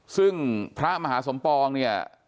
ซึ่งพระมหาสมปองเนี่ย